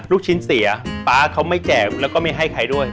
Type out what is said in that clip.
ลูกชิ้นเสียป๊าเขาไม่แจกแล้วก็ไม่ให้ใครด้วย